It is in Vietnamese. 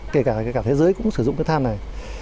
kể cả thế giới cũng sử dụng cái than này